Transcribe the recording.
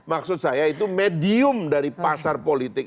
maksud saya itu medium dari pasar politik